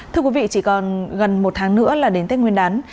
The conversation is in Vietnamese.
thưa quý vị chỉ còn gần một tháng nữa là đến tết nguyên đán